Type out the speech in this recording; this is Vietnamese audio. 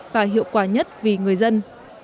và hiệu quả nhất vì người dân